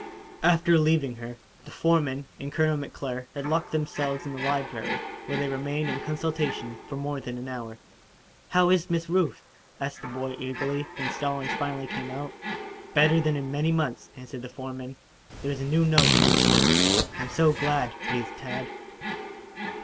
After leaving her, the foreman and Colonel McClure had locked themselves in the library, where they remained in consultation for more than an hour. "How is Miss Ruth?" asked the boy eagerly, when Stallings finally came out. "Better than in many months," answered the foreman. There was a new note in his voice. "I'm so glad," breathed Tad.